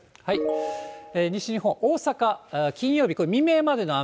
西日本、大阪、金曜日、これ、未明までの雨。